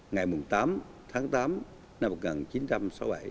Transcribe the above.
ngày tám tháng tám năm một nghìn chín trăm sáu mươi bảy